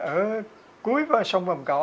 ở cuối sông vòng cỏ